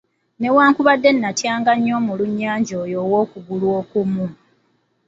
Newakubadde natyanga nnyo omulunnyanja oyo ow'okugulu okumu.